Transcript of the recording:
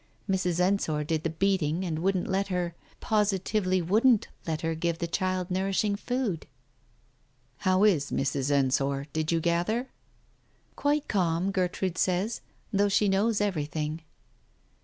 Mrs. Ensor did the beating and wouldn't let her —positively wouldn't let her give the child nourishing food." " How is Mrs. Ensor ? Did you gather ?" "Quite calm, Gertrude says, though she knows every thing."